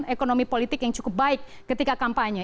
ekonomi politik yang cukup baik ketika kampanye